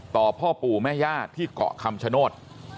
พ่อปู่แม่ย่าที่เกาะคำชโนธ